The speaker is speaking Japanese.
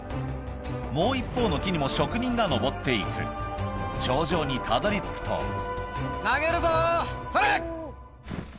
もう一方の木にも職人が登って行く頂上にたどり着くとそれ！